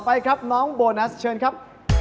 ไปครับน้องโบนัสเชิญครับ